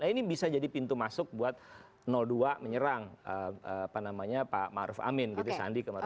nah ini bisa jadi pintu masuk buat dua menyerang pak maruf amin gitu sandi kemarin